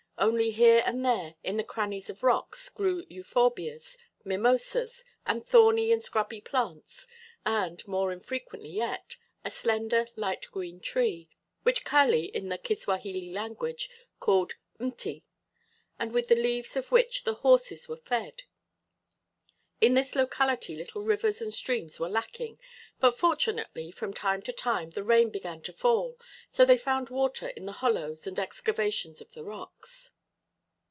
Only here and there, in the crannies of rocks, grew euphorbias, mimosas, and thorny and scrubby plants and, more infrequently yet, a slender, light green tree, which Kali in the Kiswahili language called "m'ti" and with the leaves of which the horses were fed. In this locality little rivers and streams were lacking, but fortunately from time to time the rain began to fall, so they found water in the hollows and excavations of the rocks.